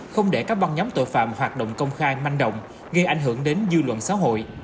không để các băng nhóm tội phạm hoạt động công khai manh động gây ảnh hưởng đến dư luận xã hội